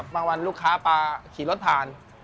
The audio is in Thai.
วันลูกค้าปลาขี่รถผ่าน